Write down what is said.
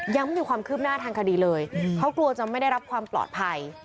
ยังไม่มีความคืบหน้าทางคดีเลยเขากลัวจะไม่ได้รับความปลอดภัย